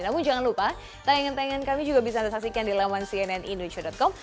namun jangan lupa tayangan tayangan kami juga bisa anda saksikan di laman cnnindonesia com